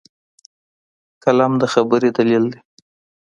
قلم د خبرې دلیل دی